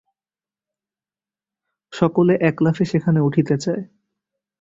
সকলে এক লাফে সেখানে উঠিতে চায়।